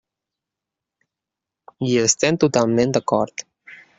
Hi estem totalment d'acord.